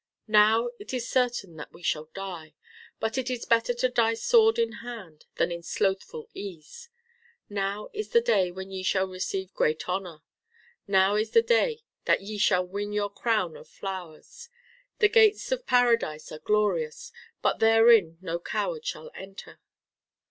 "Now it is certain that we shall die. But it is better to die sword in hand than in slothful ease. Now is the day when ye shall receive great honor. Now is the day that ye shall win your crown of flowers. The gates of paradise are glorious, but therein no coward shall enter."